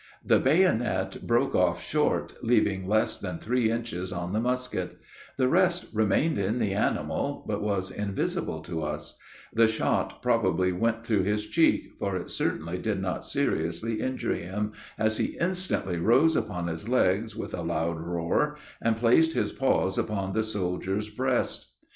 The bayonet broke off short, leaving less than three inches on the musket; the rest remained in the animal, but was invisible to us: the shot probably went through his cheek, for it certainly did not seriously injure him, as he instantly rose upon his legs, with a loud roar, and placed his paws upon the soldier's breast.